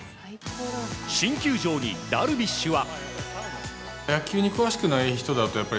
新球場にダルビッシュは。